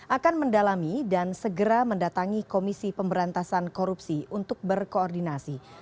akan mendalami dan segera mendatangi komisi pemberantasan korupsi untuk berkoordinasi